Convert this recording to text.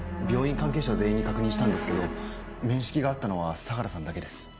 病院関係者全員に確認したんですけど面識があったのは相良さんだけです。